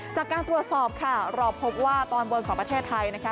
จากการตรวจสอบค่ะเราพบว่าตอนบนของประเทศไทยนะคะ